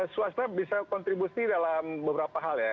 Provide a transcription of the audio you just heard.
swasta bisa kontribusi dalam beberapa hal ya